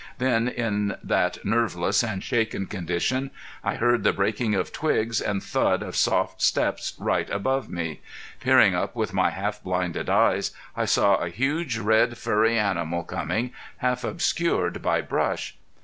Then, in that nerveless and shaken condition, I heard the breaking of twigs and thud of soft steps right above me. Peering up with my half blinded eyes I saw a huge red furry animal coming, half obscured by brush.